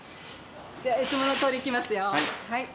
じゃあいつものとおりいきますよ。